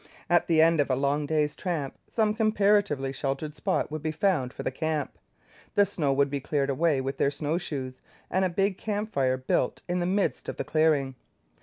At the end of a long day's tramp, some comparatively sheltered spot would be found for the camp; the snow would be cleared away with their snowshoes, and a big camp fire built in the midst of the clearing.